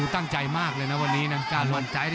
ตั้งใจมากเลยนะวันนี้นังก้าวลบ